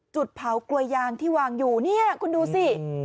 จุดเผากลวยยางที่วางอยู่เนี่ยคุณดูสิ